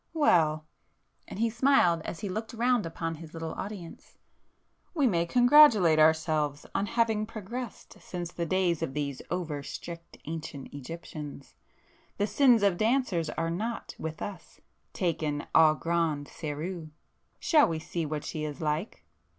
Well!" and he smiled as he looked round upon his little audience,—"We may congratulate ourselves on having progressed since the days of these over strict ancient Egyptians! The sins of dancers are not, with us, taken au grand serieux! Shall we see what she is like?"